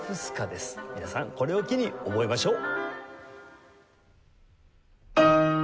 皆さんこれを機に覚えましょう。